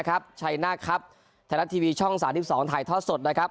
นะครับใช้หน้าครับแทนัททีวีช่องสาวที่สองถ่ายทอดสดนะครับ